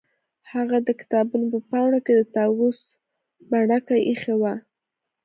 هغه د کتابونو په پاڼو کې د طاووس بڼکه ایښې وه